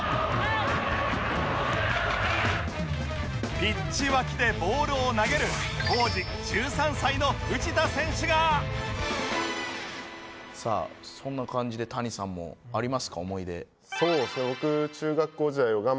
ピッチ脇でボールを投げる当時１３歳の藤田選手がさあそんな感じでそうですね。